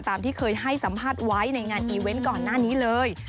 ที่เคยให้สัมภาษณ์ไว้ในงานอีเวนต์ก่อนหน้านี้เลย